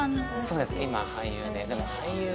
そうです今俳優で。